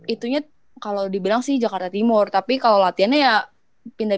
itunya kalo dibilang sih jakarta timur tapi kalo latihannya ya pindah pindah